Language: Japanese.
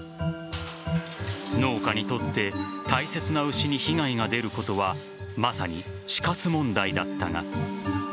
農家にとって大切な牛に被害が出ることはまさに死活問題だったが。